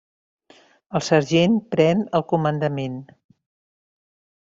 El sergent pren el comandament.